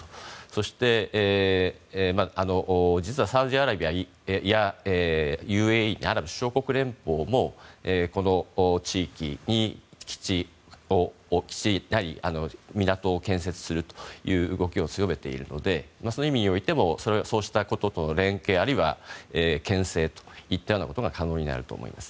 そして実は、サウジアラビアやＵＡＥ・アラブ首長国連邦もこの地域に基地を置いたり港を建設するという動きを強めているのでその意味においてもそうしたこととの連携あるいは牽制といったことが可能になると思います。